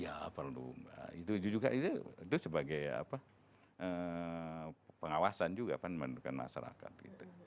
ya perlu itu juga itu sebagai pengawasan juga kan menentukan masyarakat